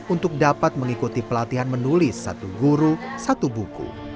untuk dapat mengikuti pelatihan menulis satu guru satu buku